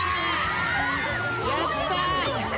やった！